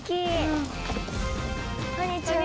こんにちは。